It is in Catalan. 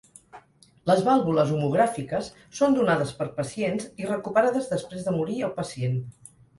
Les vàlvules homogràfiques són donades per pacients i recuperades després de morir el pacient.